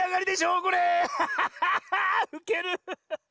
うける！